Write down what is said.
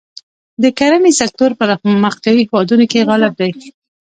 د کرهڼې سکتور پرمختیايي هېوادونو کې غالب دی.